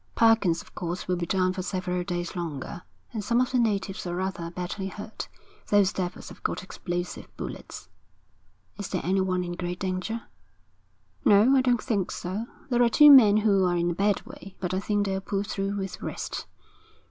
'Perkins of course will be down for several days longer. And some of the natives are rather badly hurt. Those devils have got explosive bullets.' 'Is there anyone in great danger?' 'No, I don't think so. There are two men who are in a bad way, but I think they'll pull through with rest.'